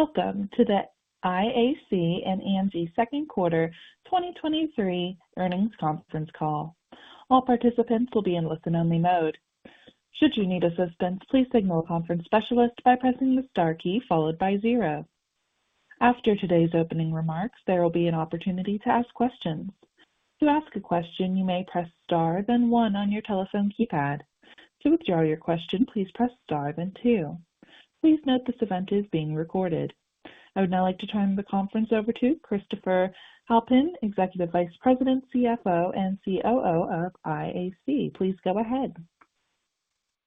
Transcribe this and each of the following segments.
Welcome to the IAC and Angi second quarter 2023 earnings conference call. All participants will be in listen-only mode. Should you need assistance, please signal a conference specialist by pressing the star key followed by 0. After today's opening remarks, there will be an opportunity to ask questions. To ask a question, you may press Star, then 1 on your telephone keypad. To withdraw your question, please press Star, then 2. Please note this event is being recorded. I would now like to turn the conference over to Christopher Halpin, Executive Vice President, CFO, and COO of IAC. Please go ahead.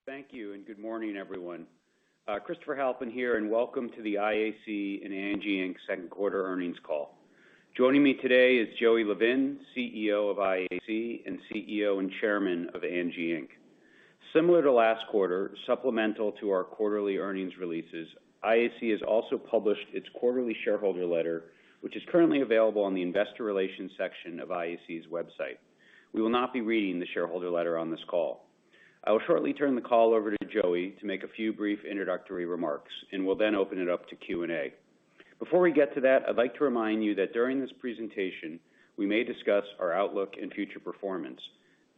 Thank you, and good morning, everyone. Christopher Halpin here, and welcome to the IAC and Angi Inc. second quarter earnings call. Joining me today is Joey Levin, CEO of IAC and CEO and Chairman of Angi Inc. Similar to last quarter, supplemental to our quarterly earnings releases, IAC has also published its quarterly shareholder letter, which is currently available on the Investor Relations section of IAC's website. We will not be reading the shareholder letter on this call. I will shortly turn the call over to Joey to make a few brief introductory remarks, and we'll then open it up to Q&A. Before we get to that, I'd like to remind you that during this presentation, we may discuss our outlook and future performance.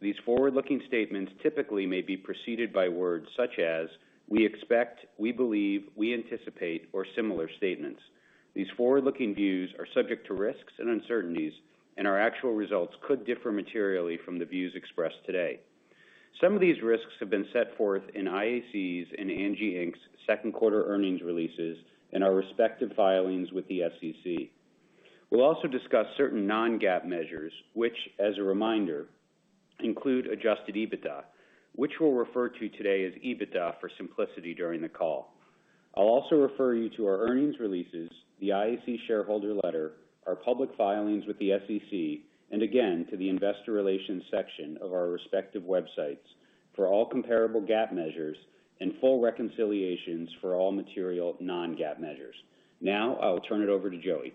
These forward-looking statements typically may be preceded by words such as: we expect, we believe, we anticipate, or similar statements. These forward-looking views are subject to risks and uncertainties, and our actual results could differ materially from the views expressed today. Some of these risks have been set forth in IAC's and Angi Inc.'s second quarter earnings releases and our respective filings with the SEC. We'll also discuss certain non-GAAP measures, which, as a reminder, include adjusted EBITDA, which we'll refer to today as EBITDA for simplicity during the call. I'll also refer you to our earnings releases, the IAC shareholder letter, our public filings with the SEC, and again, to the investor relations section of our respective websites for all comparable GAAP measures and full reconciliations for all material non-GAAP measures. Now, I will turn it over to Joey.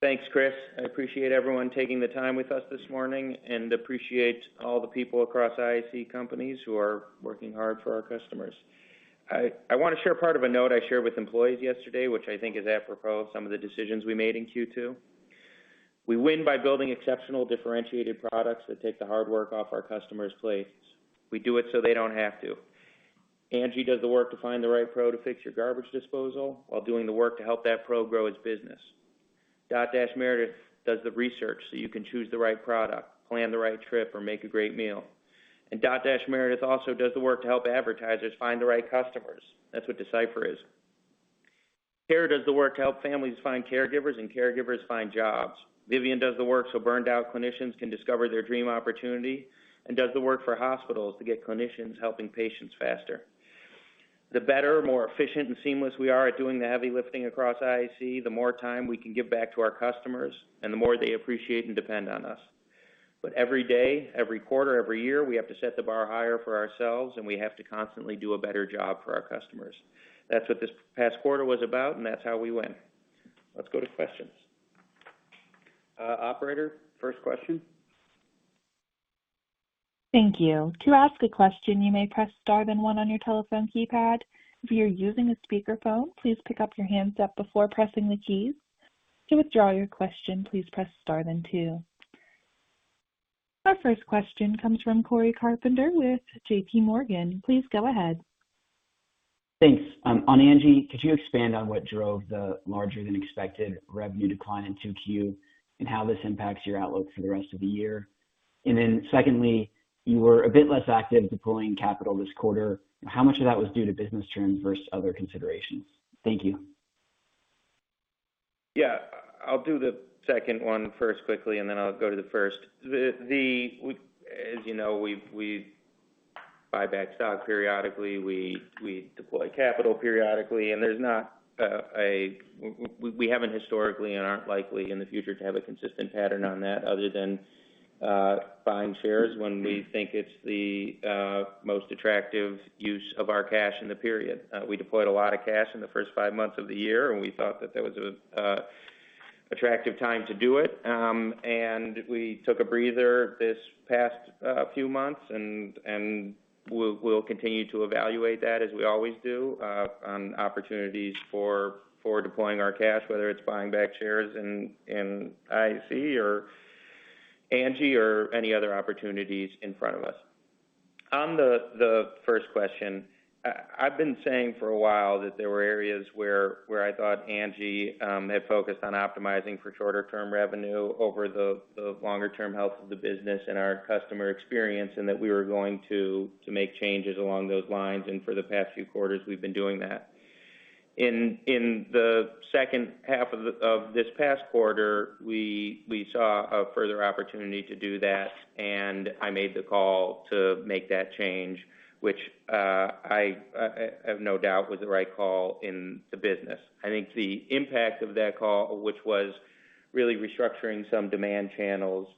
Thanks, Chris. I appreciate everyone taking the time with us this morning, and appreciate all the people across IAC companies who are working hard for our customers. I, I wanna share part of a note I shared with employees yesterday, which I think is apropos some of the decisions we made in Q2. We win by building exceptional, differentiated products that take the hard work off our customers' plates. We do it so they don't have to. Angi does the work to find the right pro to fix your garbage disposal while doing the work to help that pro grow its business. Dotdash Meredith does the research so you can choose the right product, plan the right trip, or make a great meal. Dotdash Meredith also does the work to help advertisers find the right customers. That's what D/Cipher is. Care.com does the work to help families find caregivers and caregivers find jobs. Vivian does the work so burned-out clinicians can discover their dream opportunity, does the work for hospitals to get clinicians helping patients faster. The better, more efficient, and seamless we are at doing the heavy lifting across IAC, the more time we can give back to our customers and the more they appreciate and depend on us. Every day, every quarter, every year, we have to set the bar higher for ourselves, we have to constantly do a better job for our customers. That's what this past quarter was about, and that's how we win. Let's go to questions. Operator, first question? Thank you. To ask a question, you may press Star, then 1 on your telephone keypad. If you're using a speakerphone, please pick up your hands up before pressing the keys. To withdraw your question, please press Star, then 2. Our first question comes from Cory Carpenter with J.P. Morgan. Please go ahead. Thanks. On Angi, could you expand on what drove the larger than expected revenue decline in 2Q, and how this impacts your outlook for the rest of the year? Secondly, you were a bit less active deploying capital this quarter. How much of that was due to business terms versus other considerations? Thank you. Yeah, I'll do the second one first quickly, and then I'll go to the first. As you know, we buy back stock periodically, we deploy capital periodically, and there's not, we haven't historically and aren't likely in the future to have a consistent pattern on that other than buying shares when we think it's the most attractive use of our cash in the period. We deployed a lot of cash in the first five months of the year, and we thought that that was an attractive time to do it. We took a breather this past few months and we'll continue to evaluate that, as we always do, on opportunities for deploying our cash, whether it's buying back shares in IAC or Angi or any other opportunities in front of us. On the first question, I've been saying for a while that there were areas where I thought Angi had focused on optimizing for shorter term revenue over the longer term health of the business and our customer experience, and that we were going to make changes along those lines, and for the past few quarters, we've been doing that. In the second half of this past quarter, we saw a further opportunity to do that, and I made the call to make that change, which I have no doubt was the right call in the business. I think the impact of that call, which was really restructuring some demand channels,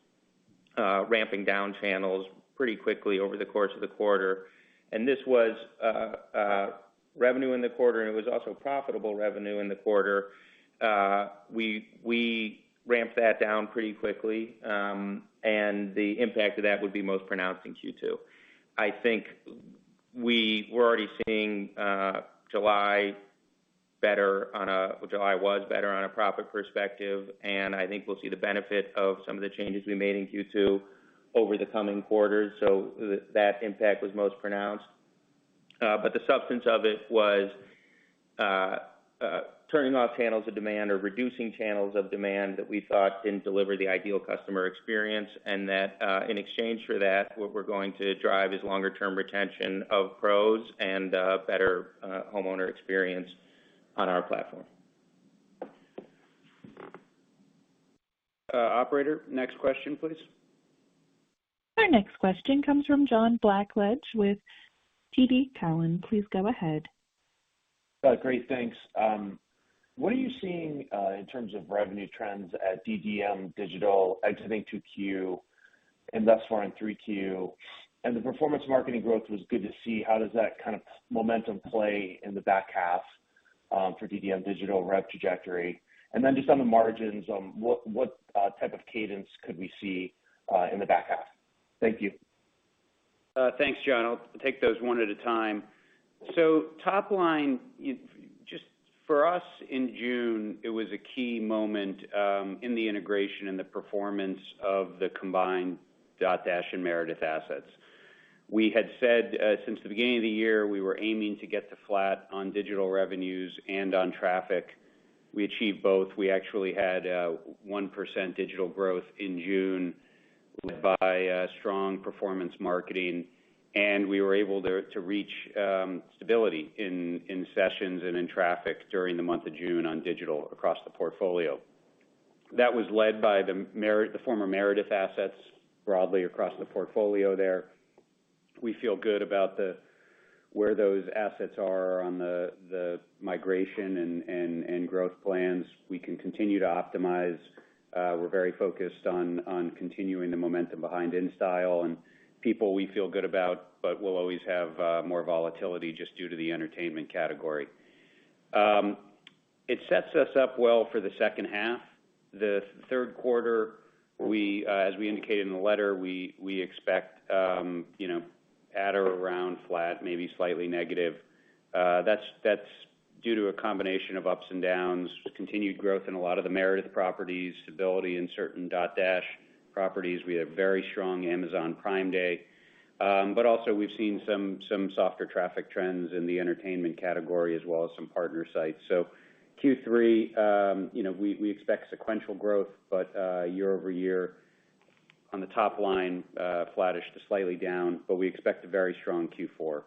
ramping down channels pretty quickly over the course of the quarter. This was revenue in the quarter, and it was also profitable revenue in the quarter. We, we ramped that down pretty quickly, and the impact of that would be most pronounced in Q2. I think we were already seeing July-... better on a, which I was better on a profit perspective, and I think we'll see the benefit of some of the changes we made in Q2 over the coming quarters. That impact was most pronounced. The substance of it was turning off channels of demand or reducing channels of demand that we thought didn't deliver the ideal customer experience, and that, in exchange for that, what we're going to drive is longer-term retention of pros and better homeowner experience on our platform. Operator, next question, please. Our next question comes from John Blackledge with TD Cowen. Please go ahead. Great, thanks. What are you seeing in terms of revenue trends at DDM Digital exiting 2Q and thus far in 3Q? The performance marketing growth was good to see. How does that kind of momentum play in the back half for DDM Digital rev trajectory? Then just on the margins, what, what type of cadence could we see in the back half? Thank you. Thanks, John. I'll take those 1 at a time. Top line, just for us, in June, it was a key moment in the integration and the performance of the combined Dotdash and Meredith assets. We had said, since the beginning of the year, we were aiming to get to flat on digital revenues and on traffic. We achieved both. We actually had 1% digital growth in June, led by strong performance marketing, and we were able there to reach stability in sessions and in traffic during the month of June on digital across the portfolio. That was led by the Meredith the former Meredith assets broadly across the portfolio there. We feel good about the, where those assets are on the, the migration and, and, and growth plans. We can continue to optimize. We're very focused on, on continuing the momentum behind InStyle and People we feel good about, but we'll always have more volatility just due to the entertainment category. It sets us up well for the second half. The third quarter, we, as we indicated in the letter, we, we expect, you know, at or around flat, maybe slightly negative. That's, that's due to a combination of ups and downs, continued growth in a lot of the Meredith properties, stability in certain Dotdash properties. We had a very strong Amazon Prime Day, but also we've seen some, some softer traffic trends in the entertainment category, as well as some partner sites. Q3, you know, we, we expect sequential growth, but year-over-year on the top line, flattish to slightly down, but we expect a very strong Q4.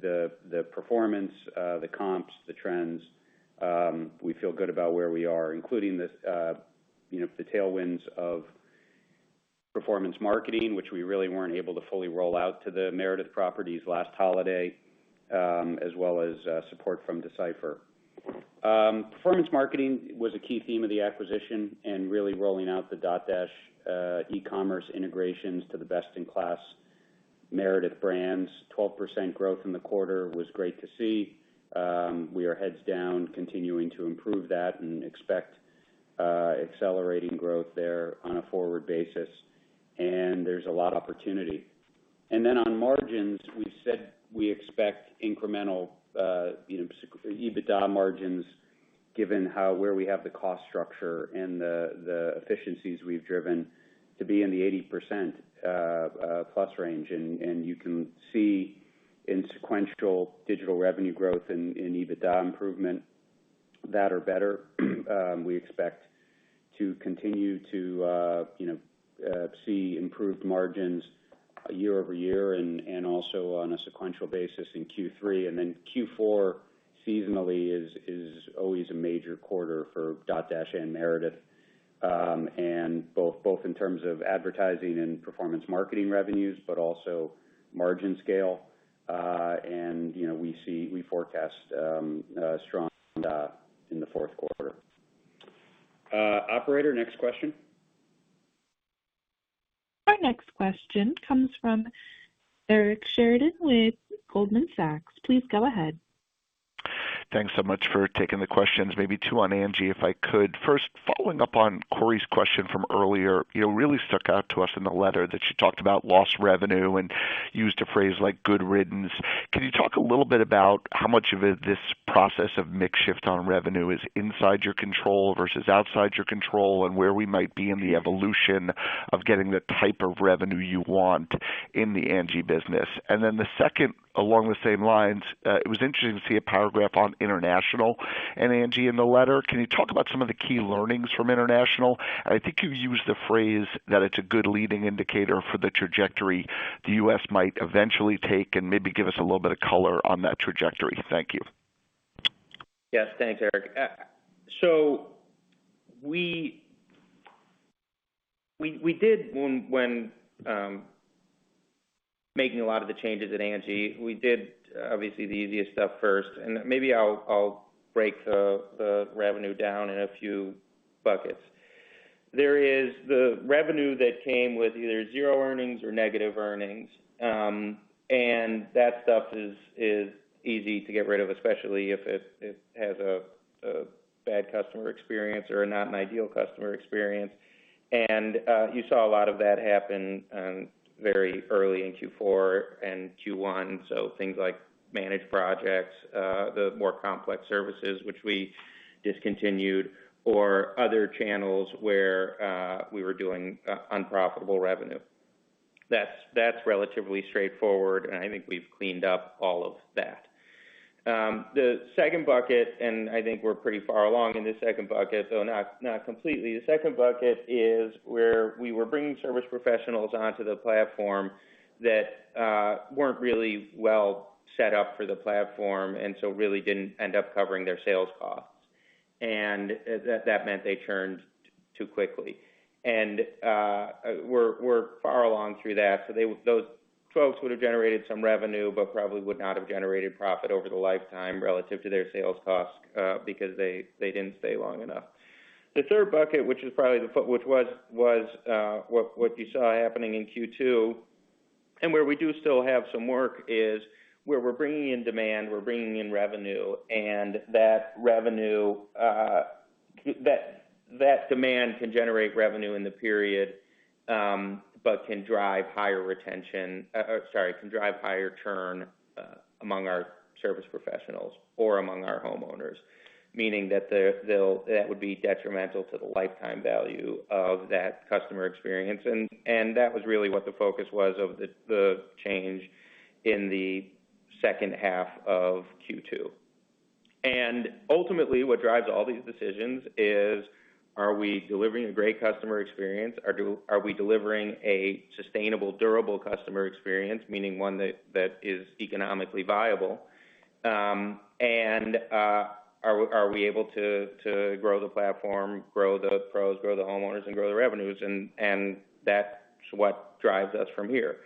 The, the performance, the comps, the trends, we feel good about where we are, including the, you know, the tailwinds of performance marketing, which we really weren't able to fully roll out to the Meredith properties last holiday, as well as, support from D/Cipher. Performance marketing was a key theme of the acquisition and really rolling out the Dotdash e-commerce integrations to the best-in-class Meredith brands. 12% growth in the quarter was great to see. We are heads down, continuing to improve that and expect accelerating growth there on a forward basis, and there's a lot of opportunity. On margins, we said we expect incremental, you know, EBITDA margins, given how- where we have the cost structure and the efficiencies we've driven to be in the 80% plus range. You can see in sequential digital revenue growth and in EBITDA improvement, that or better. We expect to continue to, you know, see improved margins year over year and, and also on a sequential basis in Q3. Q4, seasonally, is, is always a major quarter for Dotdash and Meredith, and both, both in terms of advertising and performance marketing revenues, but also margin scale. You know, we forecast, strong, in the fourth quarter. Operator, next question? Our next question comes from Eric Sheridan with Goldman Sachs. Please go ahead. Thanks so much for taking the questions. Maybe two on Angi, if I could. First, following up on Cory's question from earlier, it really stuck out to us in the letter that you talked about lost revenue and used a phrase like, "good riddance." Can you talk a little bit about how much of it, this process of mix shift on revenue is inside your control versus outside your control, and where we might be in the evolution of getting the type of revenue you want in the Angi business? Then the second, along the same lines, it was interesting to see a paragraph on international and Angi in the letter. Can you talk about some of the key learnings from international? I think you used the phrase that it's a good leading indicator for the trajectory the US might eventually take, and maybe give us a little bit of color on that trajectory. Thank you. Yes, thanks, Eric. We, we, we did when, when making a lot of the changes at Angi, we did obviously the easiest stuff first, and maybe I'll, I'll break the revenue down in a few buckets.... There is the revenue that came with either zero earnings or negative earnings, and that stuff is, is easy to get rid of, especially if it, it has a, a bad customer experience or not an ideal customer experience. And you saw a lot of that happen very early in Q4 and Q1. So things like managed projects, the more complex services which we discontinued, or other channels where we were doing unprofitable revenue. That's, that's relatively straightforward, and I think we've cleaned up all of that. The second bucket, and I think we're pretty far along in this second bucket, though not, not completely. The second bucket is where we were bringing Service Professionals onto the platform that weren't really well set up for the platform, and so really didn't end up covering their sales costs. That meant they churned too quickly. We're far along through that. Those folks would have generated some revenue, but probably would not have generated profit over the lifetime relative to their sales costs, because they didn't stay long enough. The third bucket, which is probably the which was, what you saw happening in Q2, and where we do still have some work, is where we're bringing in demand, we're bringing in revenue, and that revenue, that demand can generate revenue in the period, but can drive higher retention, sorry, can drive higher churn among our service professionals or among our homeowners. Meaning that they're, that would be detrimental to the lifetime value of that customer experience. That was really what the focus was of the change in the second half of Q2. Ultimately, what drives all these decisions is, are we delivering a great customer experience? Are we delivering a sustainable, durable customer experience, meaning one that is economically viable? And are we able to grow the platform, grow the pros, grow the homeowners, and grow the revenues? That's what drives us from here.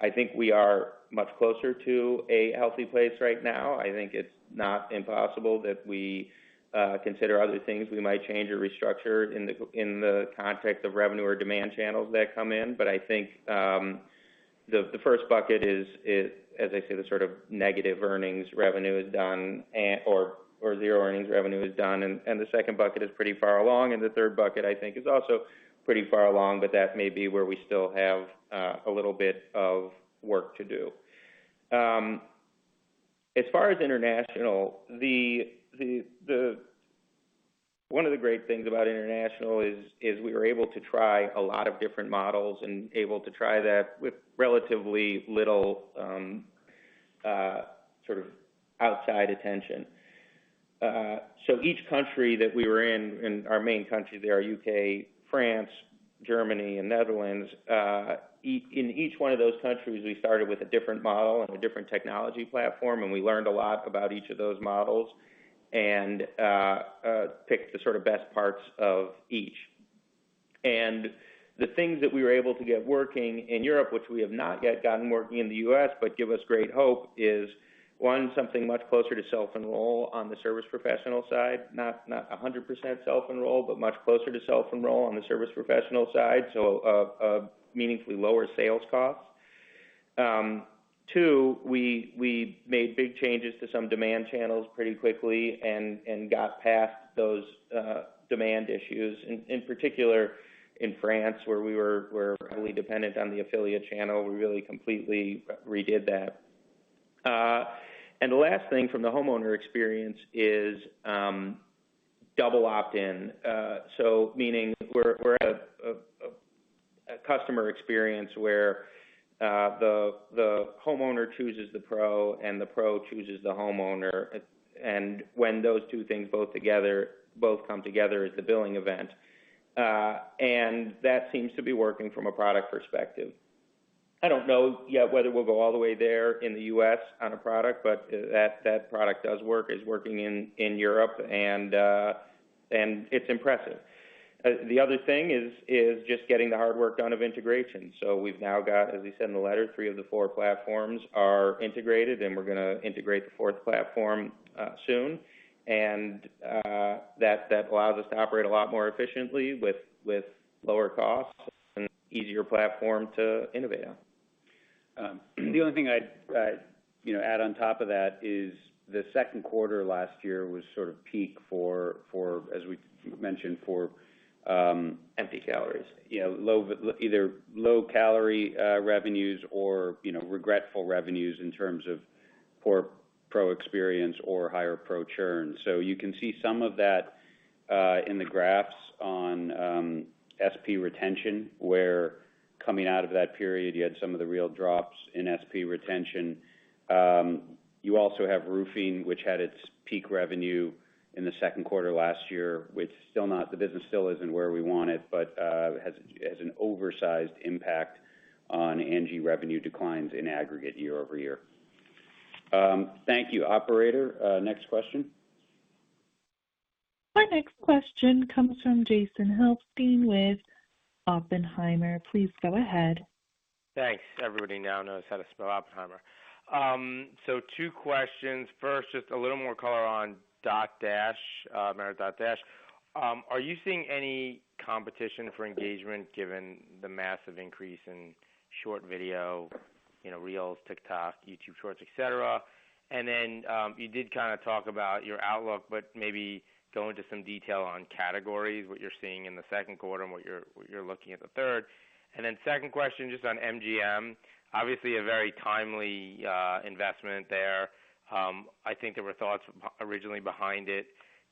I think we are much closer to a healthy place right now. I think it's not impossible that we consider other things we might change or restructure in the context of revenue or demand channels that come in. I think, the, the first bucket is, is, as I say, the sort of negative earnings revenue is done and, or, or zero earnings revenue is done, and, and the second bucket is pretty far along, and the third bucket, I think, is also pretty far along, but that may be where we still have, a little bit of work to do. As far as international, one of the great things about international is, is we were able to try a lot of different models and able to try that with relatively little, sort of outside attention. Each country that we were in, and our main countries are UK, France, Germany, and Netherlands. In each one of those countries, we started with a different model and a different technology platform, and we learned a lot about each of those models and picked the sort of best parts of each. The things that we were able to get working in Europe, which we have not yet gotten working in the US, but give us great hope, is, 1, something much closer to self-enroll on the Service Professional side. Not, not a 100% self-enroll, but much closer to self-enroll on the Service Professional side, so, a meaningfully lower sales cost. 2, we, we made big changes to some demand channels pretty quickly and, and got past those demand issues, in, in particular, in France, where we were, were heavily dependent on the affiliate channel. We really completely redid that. The last thing from the homeowner experience is double opt-in. Meaning we're, we're at a customer experience where the, the homeowner chooses the pro, and the pro chooses the homeowner. When those two things both come together is the billing event. That seems to be working from a product perspective. I don't know yet whether we'll go all the way there in the US on a product, but that, that product does work, is working in, in Europe, and it's impressive. The other thing is, is just getting the hard work done of integration. We've now got, as we said in the letter, three of the four platforms are integrated, and we're gonna integrate the fourth platform soon. That, that allows us to operate a lot more efficiently with, with lower costs and easier platform to innovate on. The only thing I'd, I'd, you know, add on top of that is the second quarter last year was sort of peak for, for, as we mentioned, for. Empty calories. Yeah, either low-calorie revenues or, you know, regretful revenues in terms of poor pro experience or higher pro churn. You can see some of that in the graphs on SP retention, where coming out of that period, you had some of the real drops in SP retention. You also have roofing, which had its peak revenue in the second quarter 2023, which the business still isn't where we want it, but has an oversized impact on Angi revenue declines in aggregate year-over-year. Thank you, operator. Next question. Our next question comes from Jason Helfstein with Oppenheimer, please go ahead. Thanks. Everybody now knows how to spell Oppenheimer. Two questions. First, just a little more color on Dotdash, Meredith Dotdash. Are you seeing any competition for engagement, given the massive increase in short video, you know, Reels, TikTok, YouTube Shorts, et cetera? You did kind of talk about your outlook, but maybe go into some detail on categories, what you're seeing in the 2nd quarter and what you're, you're looking at the 3rd. 2nd question, just on MGM. Obviously, a very timely investment there. I think there were thoughts originally behind it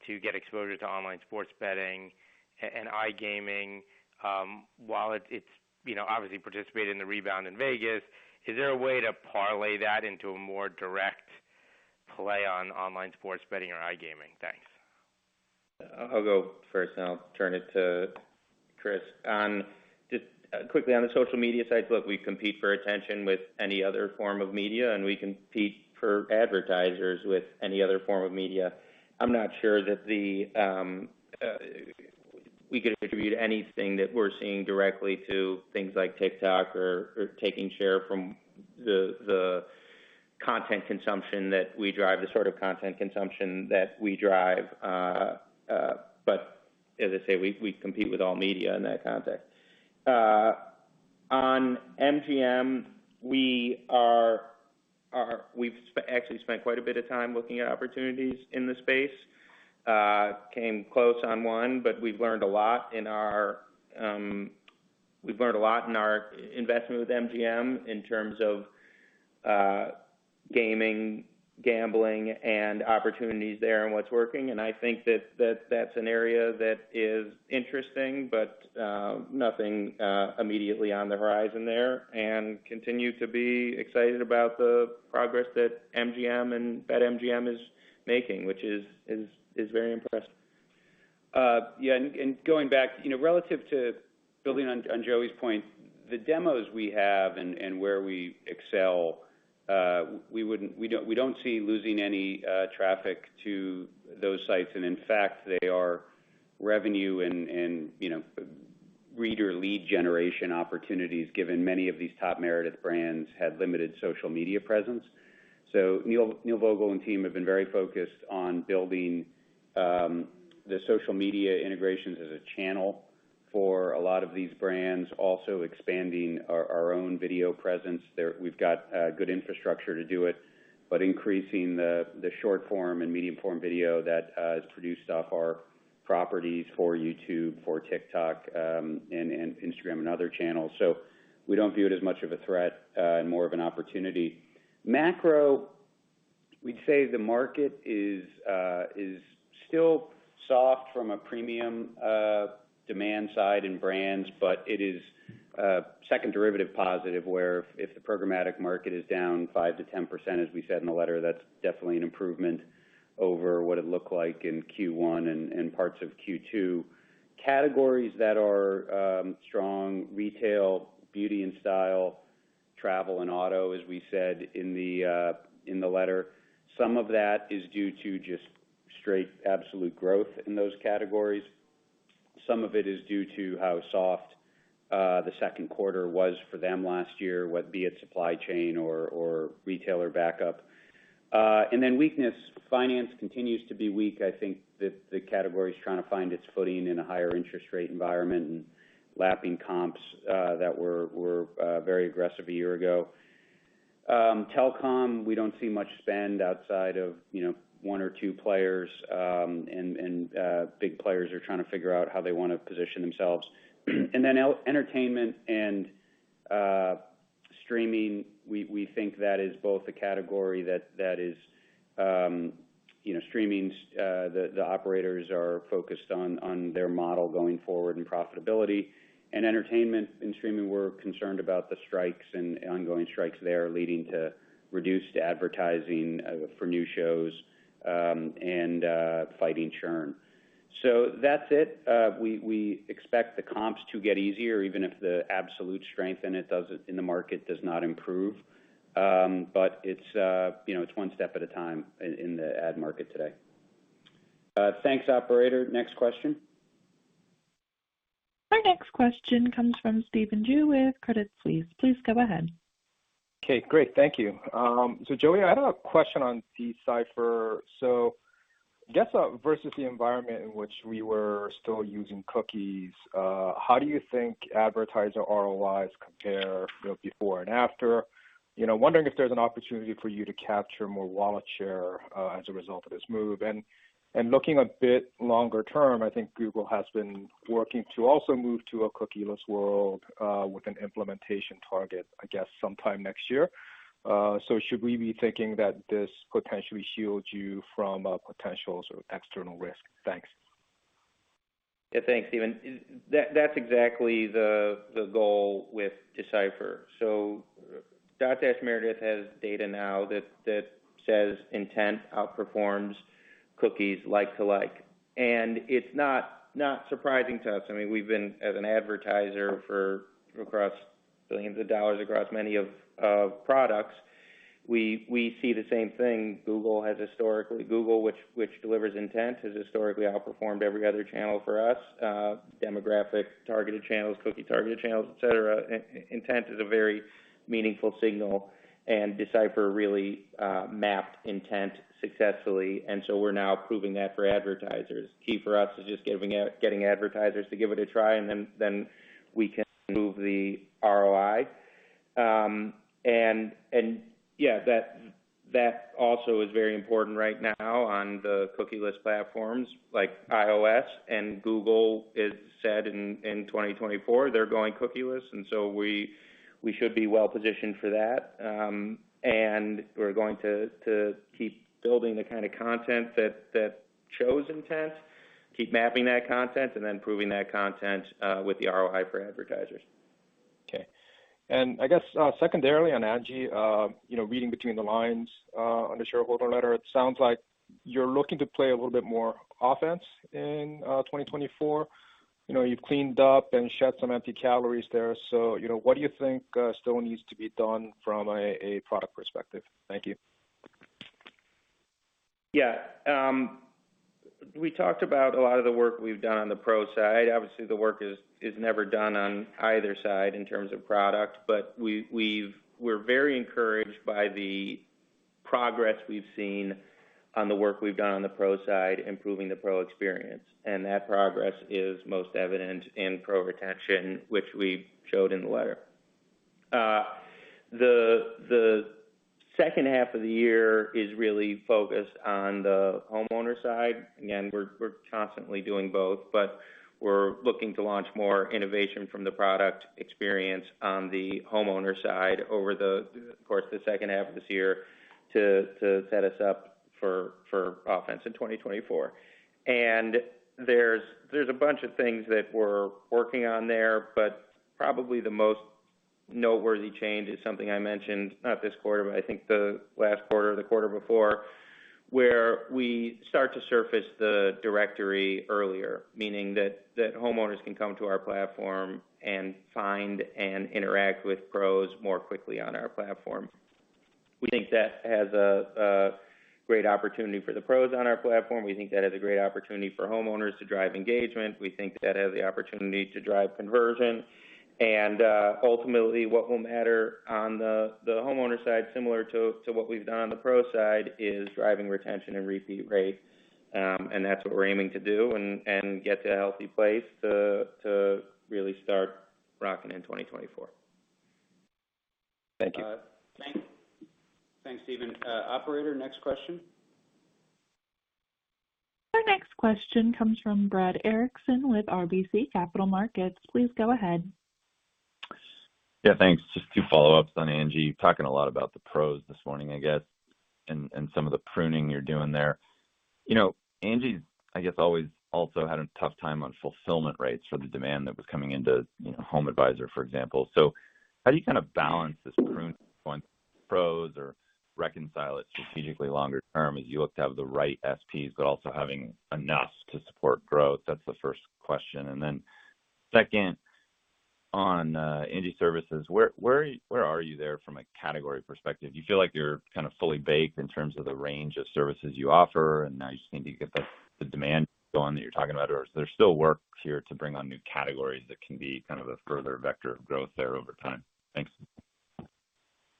to get exposure to online sports betting and iGaming. While it, it's, you know, obviously participated in the rebound in Vegas, is there a way to parlay that into a more direct play on online sports betting or iGaming? Thanks. I'll go first, and I'll turn it to Chris. Just quickly on the social media side, look, we compete for attention with any other form of media, and we compete for advertisers with any other form of media. I'm not sure that the we could attribute anything that we're seeing directly to things like TikTok or, or taking share from the, the content consumption that we drive, the sort of content consumption that we drive. But as I say, we, we compete with all media in that context. On MGM, we actually spent quite a bit of time looking at opportunities in the space. Came close on one, but we've learned a lot in our investment with MGM in terms of, gaming, gambling, and opportunities there and what's working. I think that, that that's an area that is interesting, but nothing immediately on the horizon there. Continue to be excited about the progress that MGM and BetMGM is making, which is, is, is very impressive. Yeah, and going back, you know, relative to building on Joey's point, the demos we have and where we excel, we don't, we don't see losing any traffic to those sites. In fact, they are revenue and, and, you know, reader lead generation opportunities, given many of these top Meredith brands have limited social media presence. Neil Vogel and team have been very focused on building the social media integrations as a channel for a lot of these brands. Also expanding our, our own video presence there. We've got good infrastructure to do it, but increasing the, the short form and medium form video that is produced off our properties for YouTube, for TikTok, and Instagram and other channels. We don't view it as much of a threat and more of an opportunity. Macro, we'd say the market is still soft from a premium demand side in brands, but it is second derivative positive, where if the programmatic market is down 5%-10%, as we said in the letter, that's definitely an improvement over what it looked like in Q1 and parts of Q2. Categories that are strong: retail, beauty and style, travel and auto, as we said in the letter. Some of that is due to just straight, absolute growth in those categories. Some of it is due to how soft the second quarter was for them last year, whether be it supply chain or, or retailer backup. Weakness. Finance continues to be weak. I think that the category is trying to find its footing in a higher interest rate environment and lapping comps that were very aggressive a year ago. Telecom, we don't see much spend outside of, you know, 1 or 2 players, big players are trying to figure out how they want to position themselves. Entertainment and streaming, we think that is both a category that is, you know, streaming, the operators are focused on their model going forward and profitability. Entertainment and streaming, we're concerned about the strikes and ongoing strikes there, leading to reduced advertising for new shows and fighting churn. That's it. We, we expect the comps to get easier, even if the absolute strength in it does, in the market does not improve. It's, you know, it's one step at a time in the ad market today. Thanks, operator. Next question. Our next question comes from Stephen Ju with Credit Suisse. Please go ahead. Okay, great. Thank you. Joey, I have a question on D/Cipher. I guess, versus the environment in which we were still using cookies, how do you think advertiser ROIs compare the before and after? You know, wondering if there's an opportunity for you to capture more wallet share, as a result of this move. And looking a bit longer term, I think Google has been working to also move to a cookieless world, with an implementation target, I guess, sometime next year. Should we be thinking that this potentially shields you from, potential sort of external risk? Thanks. Yeah. Thanks, Stephen. That, that's exactly the, the goal with D/Cipher. Dotdash Meredith has data now that, that says intent outperforms cookies like to like, and it's not, not surprising to us. I mean, we've been as an advertiser for across billions of dollars, across many of products. We, we see the same thing. Google has historically Google, which, which delivers intent, has historically outperformed every other channel for us, demographic, targeted channels, cookie-targeted channels, et cetera. Intent is a very meaningful signal, D/Cipher really mapped intent successfully, so we're now proving that for advertisers. Key for us is just getting advertisers to give it a try, then, then we can move the ROI. Yeah, that also is very important right now on the cookieless platforms like iOS and Google said in 2024, they're going cookieless, so we should be well positioned for that. We're going to keep building the kind of content that shows intent, keep mapping that content, and then proving that content with the ROI for advertisers. Okay. I guess, secondarily on Angi, you know, reading between the lines, on the shareholder letter, it sounds like you're looking to play a little bit more offense in 2024. You know, you've cleaned up and shed some empty calories there, so, you know, what do you think still needs to be done from a product perspective? Thank you. Yeah. We talked about a lot of the work we've done on the Pro side. Obviously, the work is, is never done on either side in terms of product, but we're very encouraged by the progress we've seen on the work we've done on the Pro side, improving the Pro experience, and that progress is most evident in Pro retention, which we showed in the letter. The second half of the year is really focused on the homeowner side. Again, we're, we're constantly doing both, but we're looking to launch more innovation from the product experience on the homeowner side over the, of course, the second half of this year to, to set us up for, for offense in 2024. There's, there's a bunch of things that we're working on there, but probably the most noteworthy change is something I mentioned, not this quarter, but I think the last quarter or the quarter before, where we start to surface the directory earlier, meaning that, that homeowners can come to our platform and find and interact with Pros more quickly on our platform. We think that has a, a great opportunity for the Pros on our platform. We think that has a great opportunity for homeowners to drive engagement. We think that has the opportunity to drive conversion. Ultimately, what will matter on the, the homeowner side, similar to, to what we've done on the Pro side, is driving retention and repeat rates. That's what we're aiming to do and, and get to a healthy place to, to really start rocking in 2024. Thank you. thanks, Stephen. operator, next question. Our next question comes from Brad Erickson with RBC Capital Markets. Please go ahead. Yeah, thanks. Just two follow-ups on Angi. Talking a lot about the Pros this morning, I guess, and some of the pruning you're doing there. You know, Angi, I guess, always also had a tough time on fulfillment rates for the demand that was coming into, you know, HomeAdvisor, for example. How do you kind of balance this prune on Pros or reconcile it strategically longer term as you look to have the right SPs, but also having enough to support growth? That's the first question. Then second, on Angi Services, where are you there from a category perspective? Do you feel like you're kind of fully baked in terms of the range of services you offer, and now you just need to get the, the demand going that you're talking about, or is there still work here to bring on new categories that can be kind of a further vector of growth there over time? Thanks.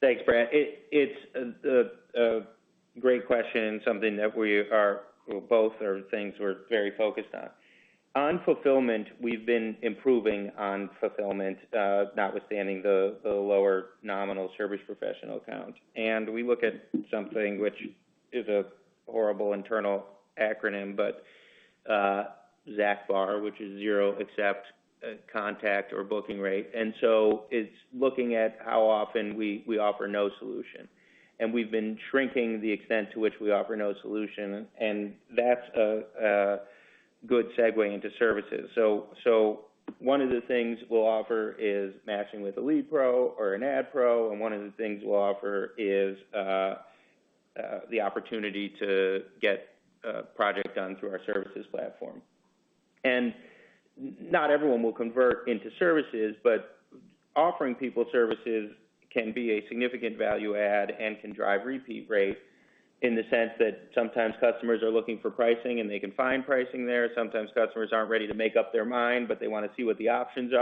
Thanks, Brad. It's a great question and something that both are things we're very focused on. On fulfillment, we've been improving on fulfillment, notwithstanding the lower nominal Service Professional count. We look at something which is a horrible internal acronym, but ZACBR, which is Zero Accept Contact or Booking Rate. It's looking at how often we offer no solution. We've been shrinking the extent to which we offer no solution, and that's a good segue into Services. One of the things we'll offer is matching with a lead Pro or an ad Pro, and one of the things we'll offer is the opportunity to get a project done through our Services platform. Not everyone will convert into services, but offering people services can be a significant value add and can drive repeat rates, in the sense that sometimes customers are looking for pricing, and they can find pricing there. Sometimes customers aren't ready to make up their mind, but they want to see what the options are.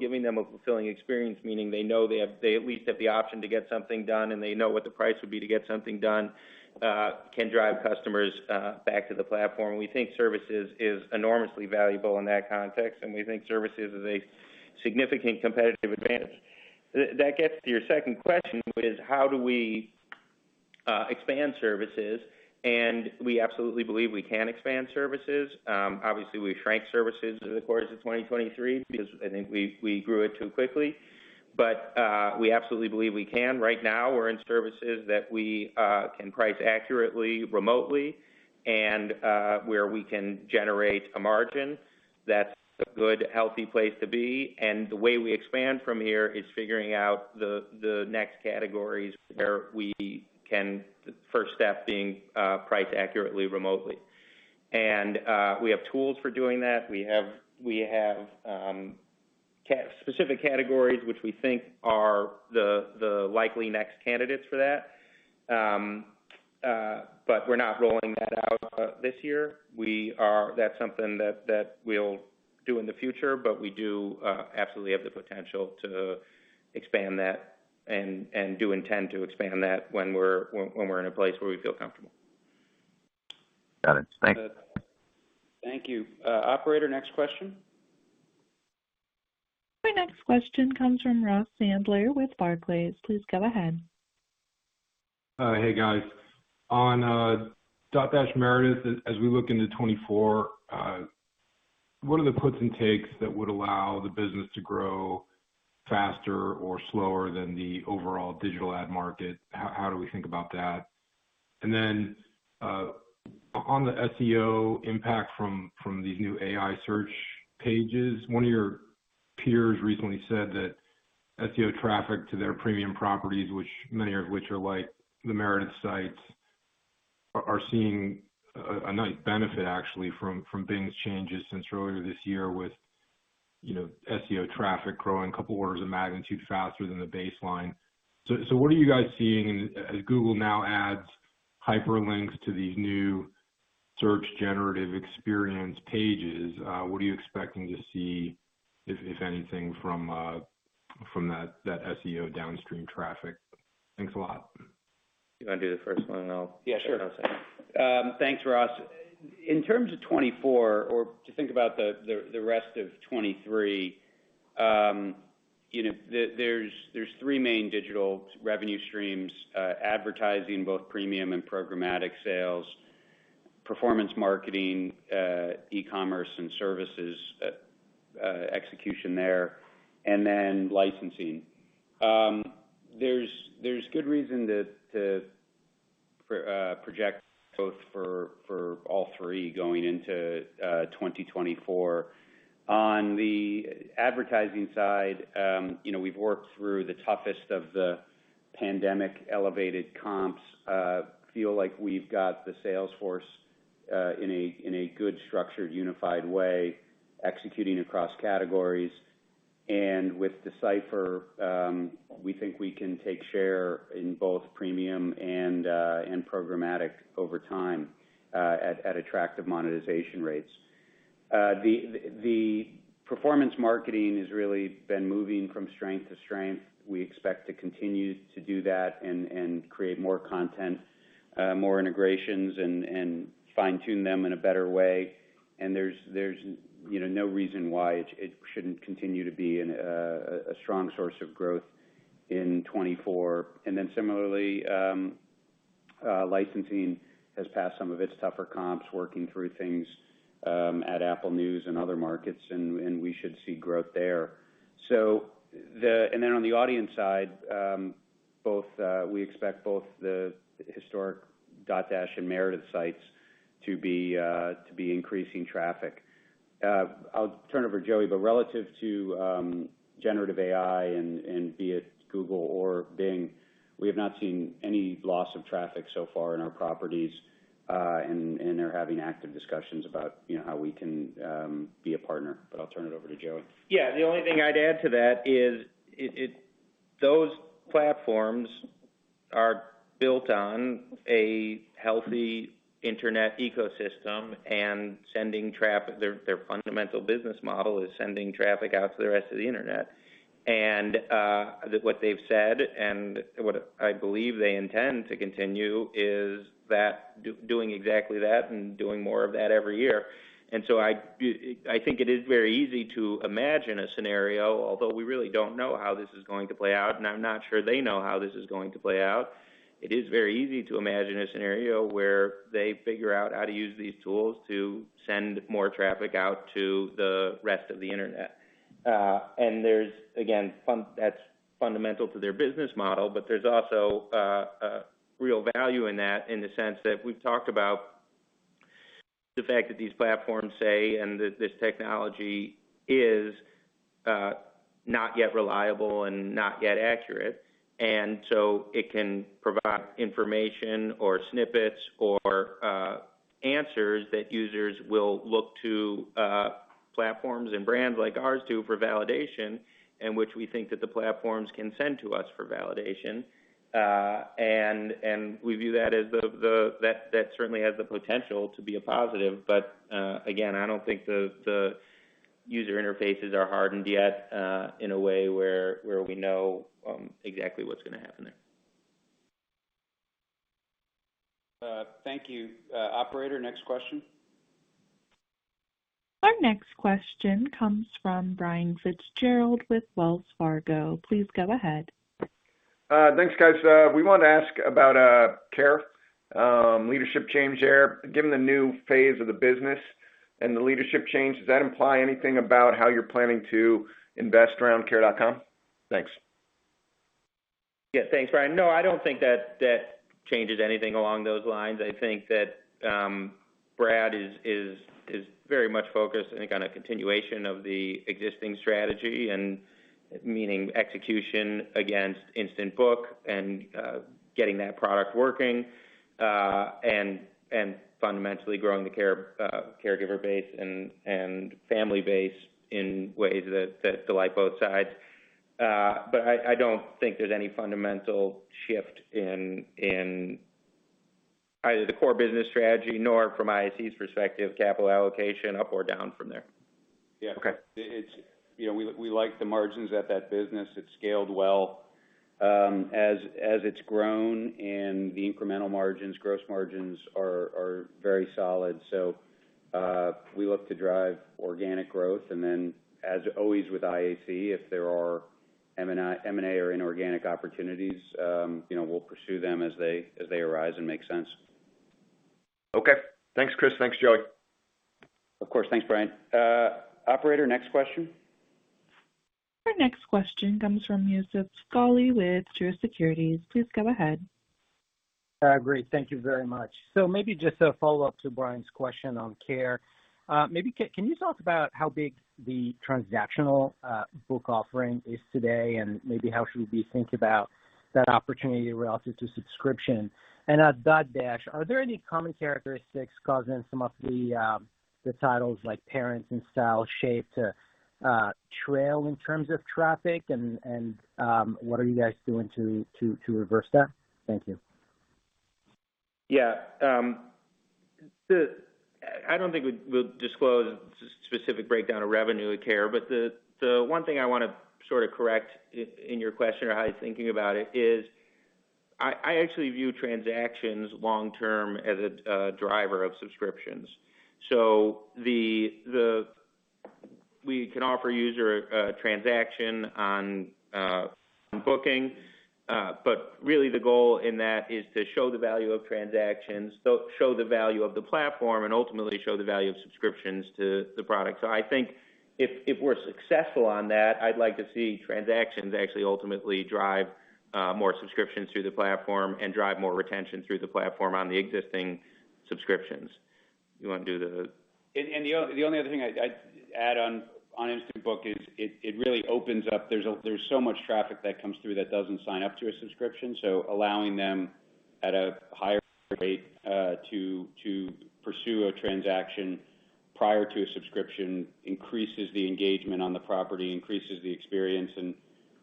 Giving them a fulfilling experience, meaning they know they at least have the option to get something done, and they know what the price would be to get something done, can drive customers back to the platform. We think services is enormously valuable in that context, and we think services is a significant competitive advantage. That gets to your second question, which is: How do we expand services? We absolutely believe we can expand services. Obviously, we shrank services over the course of 2023 because I think we, we grew it too quickly. We absolutely believe we can. Right now, we're in services that we can price accurately, remotely, and where we can generate a margin. That's a good, healthy place to be. The way we expand from here is figuring out the next categories where we can, the first step being priced accurately, remotely. We have tools for doing that. We have, we have.... specific categories, which we think are the, the likely next candidates for that. We're not rolling that out this year. That's something that we'll do in the future, but we do absolutely have the potential to expand that and, and do intend to expand that when we're in a place where we feel comfortable. Got it. Thanks. Thank you. operator, next question. Our next question comes from Ross Sandler with Barclays. Please go ahead. Hey, guys. On Dotdash Meredith, as, as we look into 2024, what are the puts and takes that would allow the business to grow faster or slower than the overall digital ad market? How, how do we think about that? Then, on the SEO impact from, from these new AI search pages, one of your peers recently said that SEO traffic to their premium properties, which many of which are like the Meredith sites, are, are seeing a, a nice benefit actually from, from Bing's changes since earlier this year with, you know, SEO traffic growing a couple orders of magnitude faster than the baseline. So what are you guys seeing as Google now adds hyperlinks to these new Search Generative Experience pages? What are you expecting to see, if, if anything, from, from that, that SEO downstream traffic? Thanks a lot. You want to do the first one and I'll- Yeah, sure. Thanks, Ross. Thanks, Ross. In terms of 2024, or to think about the rest of 2023, there's three main digital revenue streams: advertising, both premium and programmatic sales; performance marketing, e-commerce, and services execution there; and then licensing. There's good reason to project both for all three going into 2024. On the advertising side, we've worked through the toughest of the pandemic, elevated comps, feel like we've got the sales force in a good, structured, unified way, executing across categories. With Decipher, we think we can take share in both premium and programmatic over time at attractive monetization rates. The performance marketing has really been moving from strength to strength. We expect to continue to do that and create more content, more integrations, and fine-tune them in a better way. There's, there's, you know, no reason why it, it shouldn't continue to be a strong source of growth in 2024. Similarly, licensing has passed some of its tougher comps, working through things at Apple News and other markets, and we should see growth there. On the audience side, we expect both the historic Dotdash and Meredith sites to be increasing traffic. I'll turn it over to Joey, but relative to Generative AI and be it Google or Bing, we have not seen any loss of traffic so far in our properties, and they're having active discussions about, you know, how we can be a partner. I'll turn it over to Joey. Yeah, the only thing I'd add to that is it those platforms are built on a healthy internet ecosystem and sending traffic. Their fundamental business model is sending traffic out to the rest of the internet. What they've said, and what I believe they intend to continue, is that doing exactly that and doing more of that every year. I think it is very easy to imagine a scenario, although we really don't know how this is going to play out, and I'm not sure they know how this is going to play out. It is very easy to imagine a scenario where they figure out how to use these tools to send more traffic out to the rest of the internet. There's, again, that's fundamental to their business model, but there's also a real value in that, in the sense that we've talked about the fact that these platforms say, and that this technology is not yet reliable and not yet accurate. So it can provide information or snippets or answers that users will look to platforms and brands like ours to, for validation, and which we think that the platforms can send to us for validation. And we view that as the, the... That certainly has the potential to be a positive. Again, I don't think the, the user interfaces are hardened yet in a way where, where we know exactly what's going to happen there. Thank you. Operator, next question. Our next question comes from Brian Fitzgerald with Wells Fargo. Please go ahead. Thanks, guys. We want to ask about Care, leadership change there. Given the new phase of the business and the leadership change, does that imply anything about how you're planning to invest around Care.com? Thanks. Yeah, thanks, Brian. No, I don't think that, that changes anything along those lines. I think that Brad is very much focused, I think, on a continuation of the existing strategy and-... Meaning execution against Instant Book and getting that product working, and fundamentally growing the care caregiver base and family base in ways that, that delight both sides. I don't think there's any fundamental shift in, in either the core business strategy, nor from IAC's perspective, capital allocation up or down from there. Yeah. Okay. You know, we, we like the margins at that business. It's scaled well, as, as it's grown, and the incremental margins, gross margins are, are very solid. We look to drive organic growth, and then, as always, with IAC, if there are M&A or inorganic opportunities, you know, we'll pursue them as they, as they arise and make sense. Okay. Thanks, Chris. Thanks, Joey. Of course. Thanks, Brian. operator, next question. Our next question comes from Youssef Squali with Truist Securities. Please go ahead. Great. Thank you very much. Maybe just a follow-up to Brian's question on Care. Can you talk about how big the transactional book offering is today, and maybe how should we think about that opportunity relative to subscription? At Dotdash, are there any common characteristics causing some of the titles like Parents and InStyle, Shape, to trail in terms of traffic, and what are you guys doing to reverse that? Thank you. Yeah, I don't think we'll, we'll disclose specific breakdown of revenue at Care, but the one thing I want to sort of correct in, in your question or how you're thinking about it, is I, I actually view transactions long-term as a driver of subscriptions. We can offer user transaction on booking, but really the goal in that is to show the value of transactions, so show the value of the platform, and ultimately show the value of subscriptions to the product. I think if, if we're successful on that, I'd like to see transactions actually ultimately drive more subscriptions through the platform and drive more retention through the platform on the existing subscriptions. You want to do the- The only other thing I'd, I'd add on, on Instant Book is it, it really opens up... There's so much traffic that comes through that doesn't sign up to a subscription, so allowing them at a higher rate to, to pursue a transaction prior to a subscription, increases the engagement on the property, increases the experience, and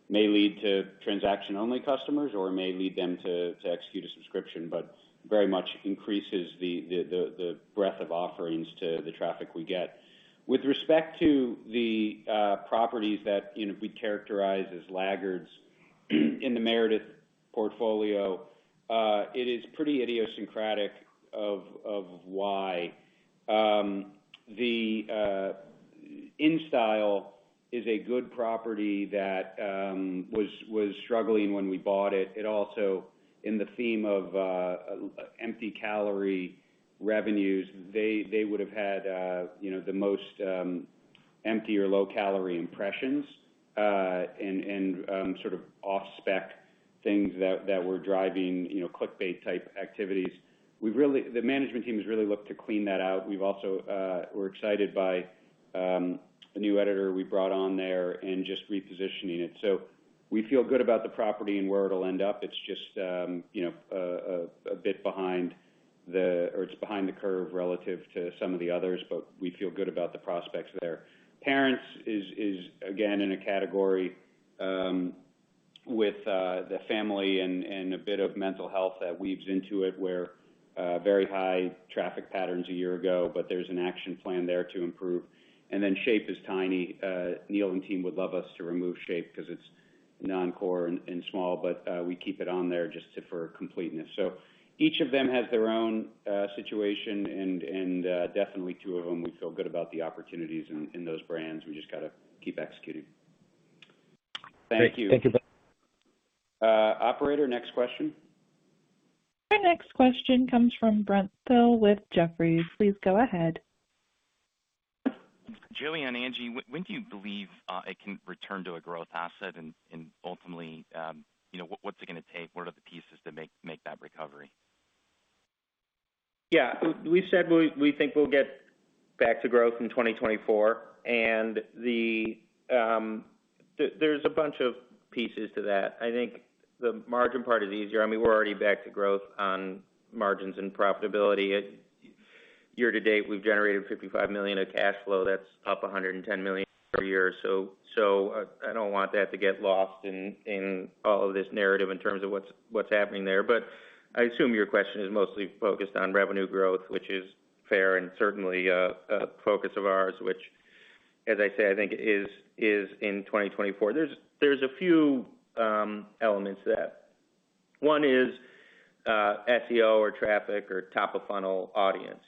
may lead to transaction-only customers, or may lead them to, to execute a subscription, but very much increases the, the, the, the breadth of offerings to the traffic we get. With respect to the properties that, you know, we characterize as laggards in the Meredith portfolio, it is pretty idiosyncratic of, of why. The InStyle is a good property that was, was struggling when we bought it. It also, in the theme of empty calorie revenues, they, they would have had, you know, the most empty or low-calorie impressions, and, and, sort of off-spec things that, that were driving, you know, clickbait-type activities. The management team has really looked to clean that out. We've also. We're excited by a new editor we brought on there and just repositioning it. We feel good about the property and where it'll end up. It's just, you know, it's behind the curve relative to some of the others, but we feel good about the prospects there. Parents is, is, again, in a category, with the family and, and a bit of mental health that weaves into it, where, very high traffic patterns a year ago, but there's an action plan there to improve. Shape is tiny. Neil and team would love us to remove Shape because it's non-core and, and small, but, we keep it on there just to, for completeness. Each of them has their own, situation, and, and, definitely two of them, we feel good about the opportunities in, in those brands. We just got to keep executing. Thank you. Operator, next question. Our next question comes from Brent Thill with Jefferies. Please go ahead. Joey and Angi, when do you believe, it can return to a growth asset? And ultimately, you know, what's it gonna take? What are the pieces to make that recovery? Yeah, we, we've said we, we think we'll get back to growth in 2024. The, there's a bunch of pieces to that. I think the margin part is easier. I mean, we're already back to growth on margins and profitability. Year to date, we've generated $55 million of cash flow. That's up $110 million per year. I don't want that to get lost in all of this narrative in terms of what's happening there. I assume your question is mostly focused on revenue growth, which is fair and certainly a focus of ours, which, as I said, I think is in 2024. There's a few elements to that. One is SEO or traffic or top-of-funnel audience.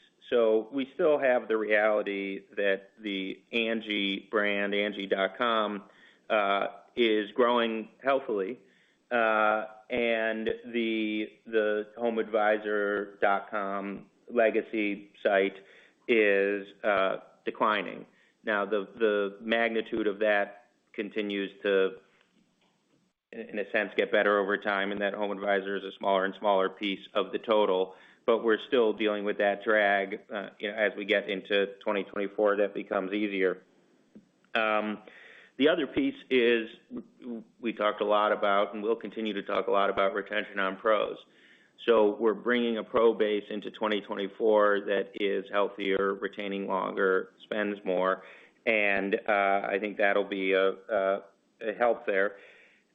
We still have the reality that the Angi brand, angi.com, is growing healthily, and the, the HomeAdvisor.com legacy site is declining. The magnitude of that continues to in a sense, get better over time, and that HomeAdvisor is a smaller and smaller piece of the total. We're still dealing with that drag, as we get into 2024, that becomes easier. The other piece is, we talked a lot about, and we'll continue to talk a lot about retention on Pros. We're bringing a Pro base into 2024 that is healthier, retaining longer, spends more, and I think that'll be a help there.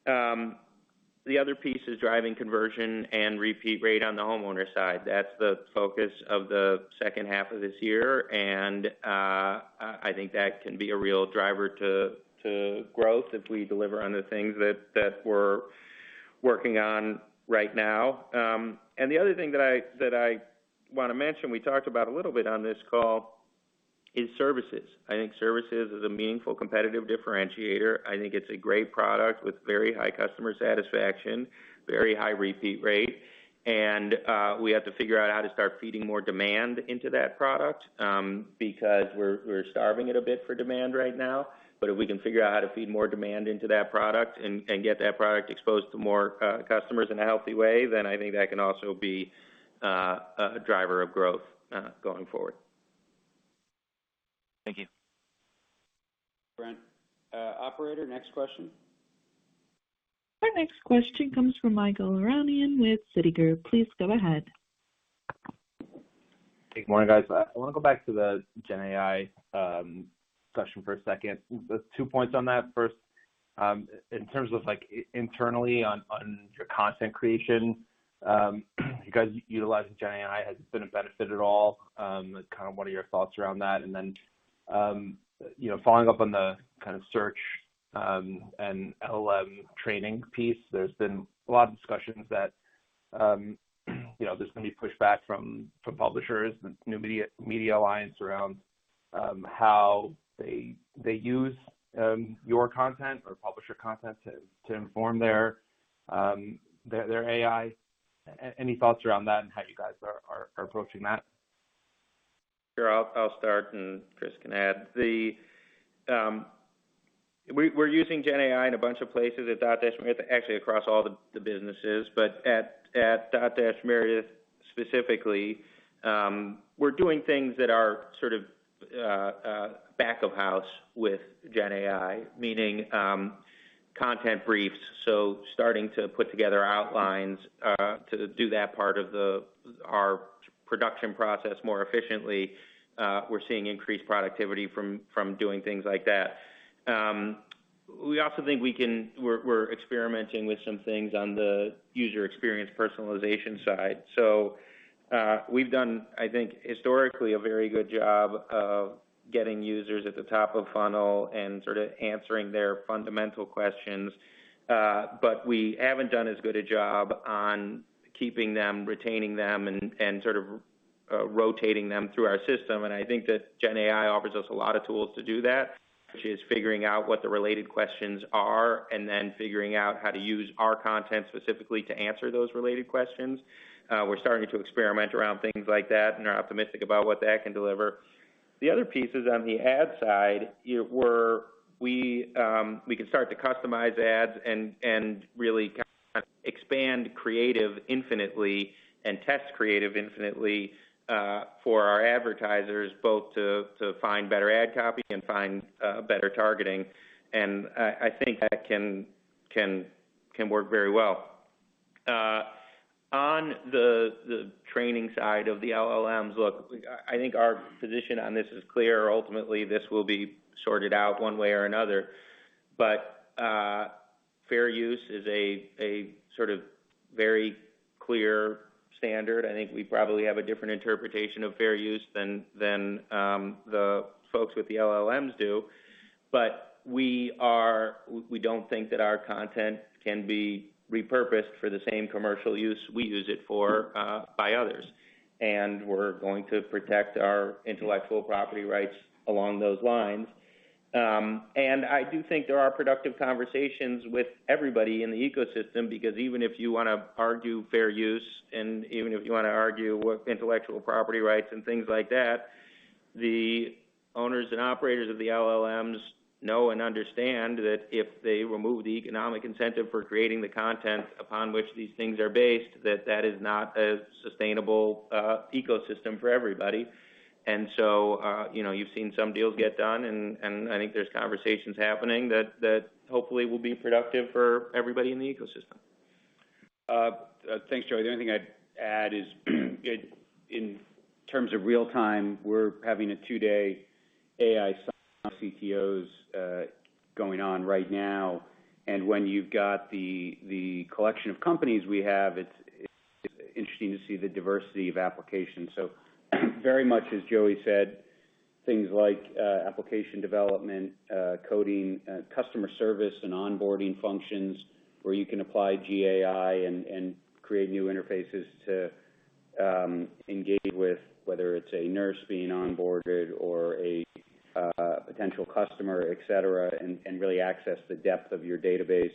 The other piece is driving conversion and repeat rate on the homeowner side. That's the focus of the second half of this year. I think that can be a real driver to, to growth if we deliver on the things that, that we're working on right now. The other thing that I, that I wanna mention, we talked about a little bit on this call, is services. I think services is a meaningful competitive differentiator. I think it's a great product with very high customer satisfaction, very high repeat rate. We have to figure out how to start feeding more demand into that product, because we're, we're starving it a bit for demand right now. If we can figure out how to feed more demand into that product and, and get that product exposed to more customers in a healthy way, then I think that can also be a driver of growth, going forward. Thank you. Brent. operator, next question. Our next question comes from Ygal Arounian with Citigroup. Please go ahead. Good morning, guys. I wanna go back to the Gen AI question for a second. Two points on that. First, in terms of like internally on your content creation, you guys utilizing Gen AI, has it been a benefit at all? Kind of what are your thoughts around that? Then, you know, following up on the kind of search and LLM training piece, there's been a lot of discussions that, you know, there's gonna be pushback from publishers and News Media Alliance around how they use your content or publisher content to inform their AI. Any thoughts around that and how you guys are approaching that? Sure, I'll, I'll start, and Chris can add. We're using Gen AI in a bunch of places at Dotdash Meredith, actually, across all the businesses. At Dotdash Meredith, specifically, we're doing things that are sort of back-of-house with Gen AI, meaning, content briefs. Starting to put together outlines to do that part of our production process more efficiently. We're seeing increased productivity from doing things like that. We also think we're experimenting with some things on the user experience personalization side. We've done, I think, historically, a very good job of getting users at the top of funnel and sort of answering their fundamental questions. We haven't done as good a job on keeping them, retaining them, and sort of rotating them through our system. I think that Gen AI offers us a lot of tools to do that. Which is figuring out what the related questions are, and then figuring out how to use our content specifically to answer those related questions. We're starting to experiment around things like that and are optimistic about what that can deliver. The other piece is on the ad side, you know, we can start to customize ads and, and really expand creative infinitely and test creative infinitely for our advertisers, both to, to find better ad copy and find better targeting. I think that can work very well. On the training side of the LLMs, look, I think our position on this is clear. Ultimately, this will be sorted out one way or another. Fair use is a, a sort of very clear standard. I think we probably have a different interpretation of fair use than, than, the folks with the LLMs do. We don't think that our content can be repurposed for the same commercial use we use it for, by others. We're going to protect our intellectual property rights along those lines. I do think there are productive conversations with everybody in the ecosystem, because even if you want to argue fair use, and even if you want to argue with intellectual property rights and things like that, the owners and operators of the LLMs know and understand that if they remove the economic incentive for creating the content upon which these things are based, that that is not a sustainable, ecosystem for everybody. So, you know, you've seen some deals get done, and, and I think there's conversations happening that, that hopefully will be productive for everybody in the ecosystem. Thanks, Joey. The only thing I'd add is, in terms of real-time, we're having a two-day AI CTOs going on right now, and when you've got the, the collection of companies we have, it's, it's interesting to see the diversity of applications. Very much, as Joey said, things like application development, coding, customer service, and onboarding functions, where you can apply GAI and create new interfaces to engage with, whether it's a nurse being onboarded or a potential customer, et cetera, and really access the depth of your database.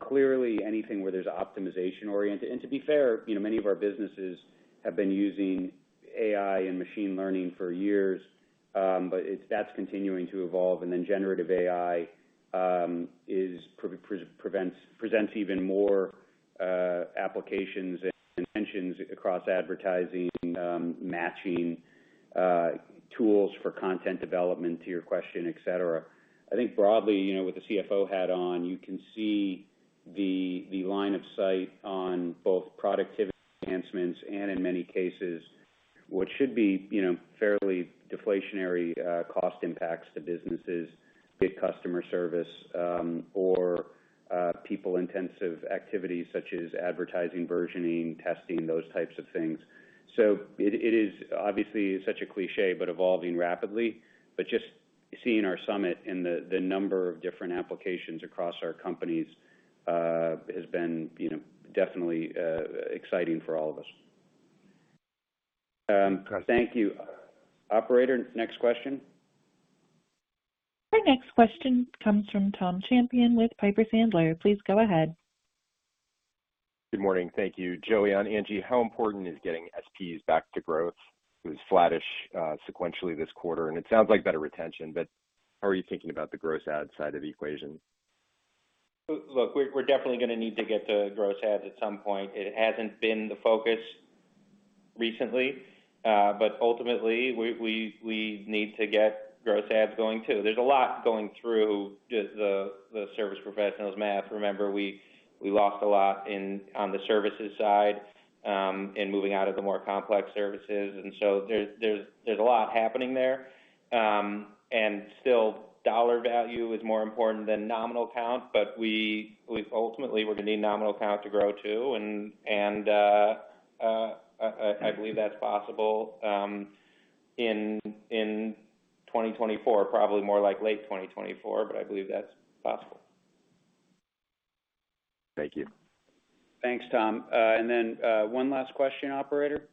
Clearly, anything where there's optimization-oriented. To be fair, you know, many of our businesses have been using AI and machine learning for years, but that's continuing to evolve. Then generative AI, presents even more applications and intentions across advertising, matching, tools for content development, to your question, et cetera. I think broadly, you know, with the CFO hat on, you can see the line of sight on both productivity enhancements and in many cases, what should be, you know, fairly deflationary cost impacts to businesses, be it customer service, or people-intensive activities such as advertising, versioning, testing, those types of things. It, it is obviously such a cliché, but evolving rapidly. Just seeing our summit and the number of different applications across our companies has been, you know, definitely exciting for all of us. Thank you. Operator, next question. Our next question comes from Tom Champion with Piper Sandler. Please go ahead. Good morning. Thank you. Joey and Angi, how important is getting SPs back to growth? It was flattish, sequentially this quarter, and it sounds like better retention, but how are you thinking about the gross add side of the equation? Look, we're, we're definitely gonna need to get to gross adds at some point. It hasn't been the focus recently, but ultimately, we, we, we need to get gross adds going, too. There's a lot going through just the, the service professionals, Matt. Remember, we, we lost a lot in, on the services side, in moving out of the more complex services. There's, there's, there's a lot happening there. Still, dollar value is more important than nominal count, but we ultimately, we're gonna need nominal count to grow, too. I believe that's possible, in, in 2024, probably more like late 2024, but I believe that's possible. Thank you. Thanks, Tom. Then, one last question, operator.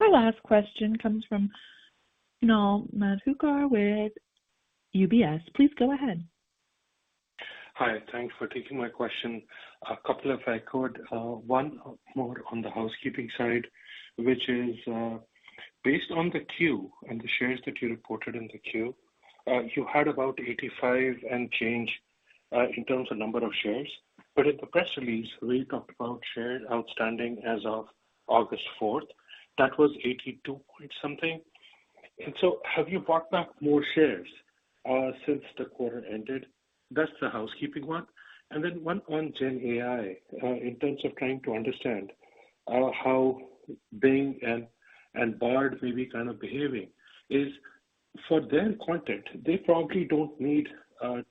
Our last question comes from Kunal Madhukar with UBS. Please go ahead. Hi, thanks for taking my question. A couple, if I could. One more on the housekeeping side, which is, based on the Q and the shares that you reported in the Q, you had about 85 and change in terms of number of shares. In the press release, where you talked about shares outstanding as of August 4th, that was 82 point something. Have you bought back more shares since the quarter ended? That's the housekeeping one. One on Gen AI in terms of trying to understand how Bing and Bard may be kind of behaving, is for their content, they probably don't need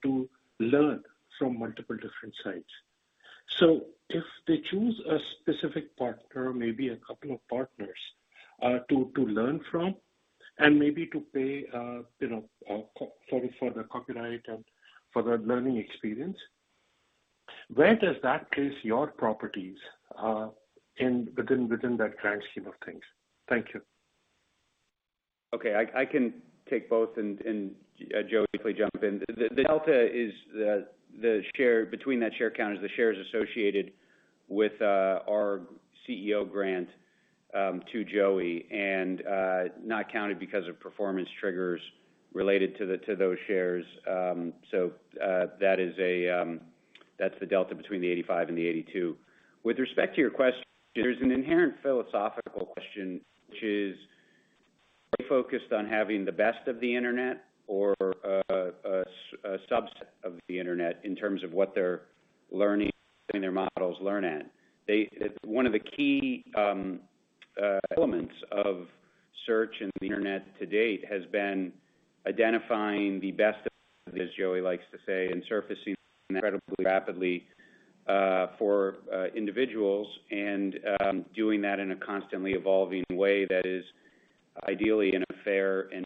to learn from multiple different sites. If they choose a specific partner or maybe a couple of partners, to, to learn from and maybe to pay, you know, for, for the copyright and for the learning experience, where does that place your properties, in, within, within that grand scheme of things? Thank you. Okay, I, I can take both and, and Joey, quickly jump in. The, the delta is the, the share- between that share count is the shares associated with our CEO grant to Joey, and not counted because of performance triggers related to the, to those shares. That is a. That's the delta between the 85 and the 82. With respect to your question, there's an inherent philosophical question, which is focused on having the best of the internet or a subset of the internet in terms of what they're learning and their models learn at. One of the key elements of search and the internet to date has been identifying the best, as Joey likes to say, and surfacing incredibly rapidly for individuals and doing that in a constantly evolving way that is ideally in a fair and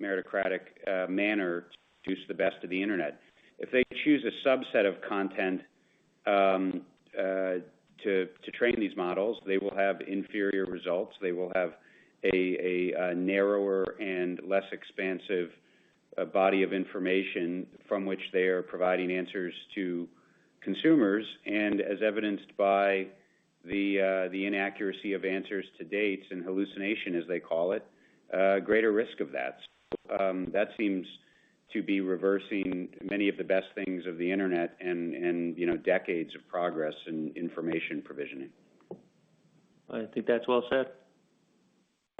meritocratic manner, produce the best of the internet. If they choose a subset of content to train these models, they will have inferior results. They will have a narrower and less expansive body of information from which they are providing answers to consumers. As evidenced by the inaccuracy of answers to date and hallucination, as they call it, a greater risk of that. That seems to be reversing many of the best things of the internet and, you know, decades of progress in information provisioning. I think that's well said.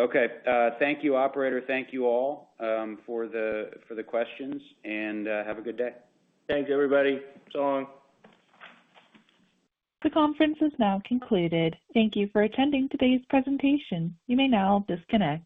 Okay. Thank you, operator. Thank you all, for the, for the questions, have a good day. Thanks, everybody. So long. The conference is now concluded. Thank you for attending today's presentation. You may now disconnect.